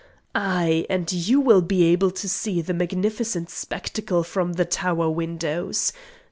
Ay! and you will be able to see the magnificent spectacle from the tower windows.